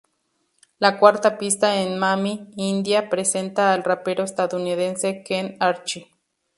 La cuarta pista en "Mami", "India", presenta al rapero estadounidense Kent Archie.